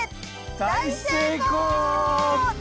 大成功！